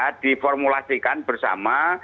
kita di formulasikan bersama